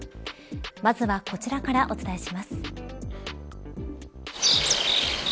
まずはこちらからお伝えします。